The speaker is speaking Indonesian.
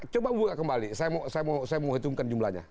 coba buka kembali saya mau hitungkan jumlahnya